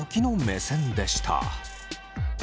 目線でした。